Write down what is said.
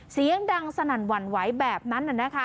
เสียงดังสนั่นหวั่นไหวแบบนั้น